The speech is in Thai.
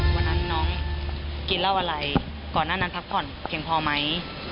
วันนั้นน้องกินเหล้าอะไรก่อนหน้านั้นพักผ่อนเพียงพอไหม